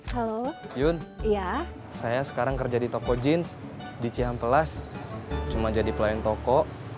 halo jun iya saya sekarang kerja di toko jeans di cihampelas cuma jadi pelayan toko